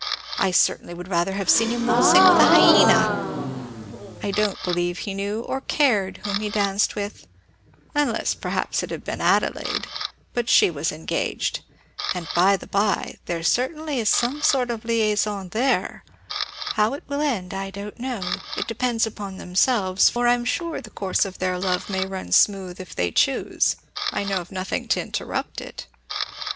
I certainly would rather have seen him waltzing with a hyena! I don't believe he knew or cared whom he danced with unless, perhaps, it had been Adelaide, but she was engaged; and, by the bye, there certainly is some sort of a liaison there; how it will end I don't know; it depends upon on themselves, for I'm sure the course of their love may run smooth if they choose I know nothing to interrupt it.